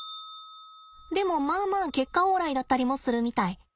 でもまあまあ結果オーライだったりもするみたい。